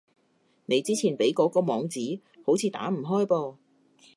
你之前畀嗰個網址，好似打唔開噃